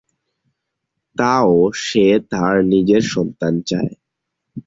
তাও সে তার নিজের সন্তান চায়।